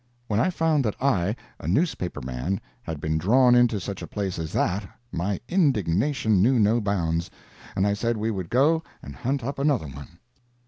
When I found that I, a newspaper man, had been drawn into such a place as that, my indignation knew no bounds, and I said we would go and hunt up another one.